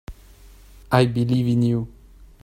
I believe in you.